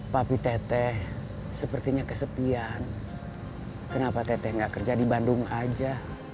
papi teteh sepertinya kesepian kenapa teteh nggak kerja di bandung aja